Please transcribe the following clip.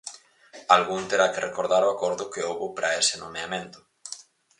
Algún terá que recordar o acordo que houbo para ese nomeamento.